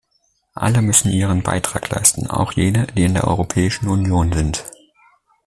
Alle müssen ihren Beitrag leisten, auch jene, die in der Europäischen Union sind.